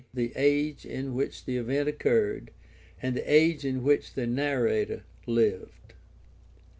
the age in which the event occurred and the age in which the narrator lived.